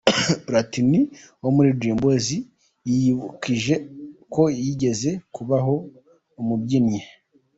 Platini wo muri Dream Boyz yiyibukije ko yigeze kubaho umubyinnyi:.